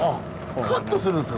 カットするんですか？